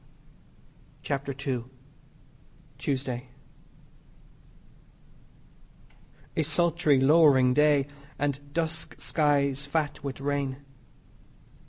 CHAPTER II TUESDAY A sultry, lowering day, and dusk skies fat with rain.